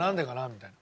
みたいな。